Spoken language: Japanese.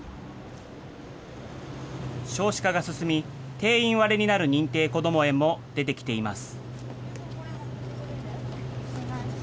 少子化が進み、定員割れになる認定こども園も出てきています。